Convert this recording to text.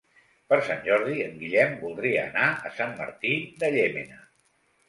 Per Sant Jordi en Guillem voldria anar a Sant Martí de Llémena.